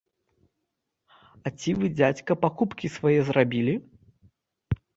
А ці вы, дзядзька, пакупкі свае зрабілі?